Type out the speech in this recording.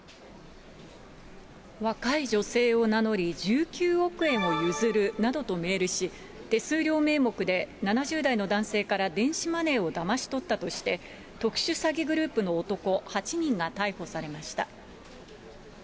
若い女性を名乗り１９億円を譲るなどとメールし、手数料名目で７０代の男性から電子マネーをだまし取ったとして、特殊詐欺グループの男８人が逮捕されました。